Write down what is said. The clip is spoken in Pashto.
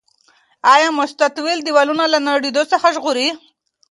آیا مستطیل دیوالونه له نړیدو څخه ژغوري؟